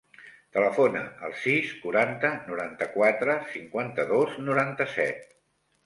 Telefona al sis, quaranta, noranta-quatre, cinquanta-dos, noranta-set.